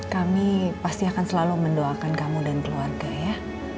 kami pasti akan selalu mendoakan kamu dan keluarga ya